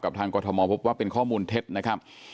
ทางกรทมพบว่าเป็นข้อมูลเท็จนะครับ